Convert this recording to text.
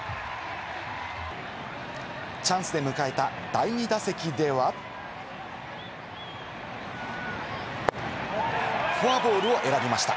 チャンスで迎えた第２打席では、フォアボールを選びました。